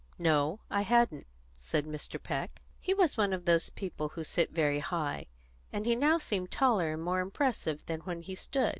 "No, I hadn't," said Mr. Peck. He was one of those people who sit very high, and he now seemed taller and more impressive than when he stood.